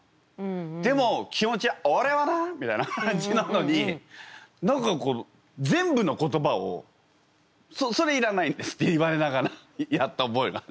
でも気持ちは「おれはな！」みたいな感じなのに何か全部の言葉を「それいらないです」って言われながらやった覚えがある。